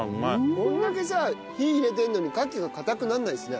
こんだけさ火入れてるのにカキが硬くならないですね。